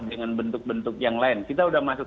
dengan bentuk bentuk yang lain kita sudah masuk